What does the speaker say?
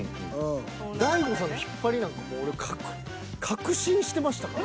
大悟さんの引っ張りなんか俺確信してましたから。